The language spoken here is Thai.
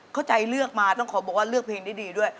เข้าใจเลือกมาต้องขอบอกว่าเลือกเพลงได้ดีด้วย